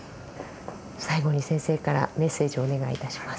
最後に先生からメッセージをお願いいたします。